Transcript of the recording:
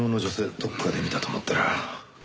どこかで見たと思ったら。